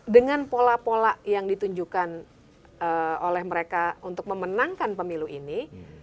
dengan pola pola yang ditunjukkan oleh mereka untuk memenangkan pemilu ini